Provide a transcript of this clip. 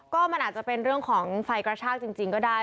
ก็มันอาจจะเป็นเรื่องของไฟกระชากจริงก็ได้